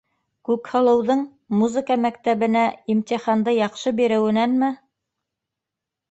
Күкһылыуҙың музыка мәктәбенә имтиханды яҡшы биреүенәнме?